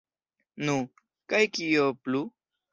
Nu, kaj kio plu?